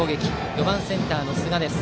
４番センターの寿賀です。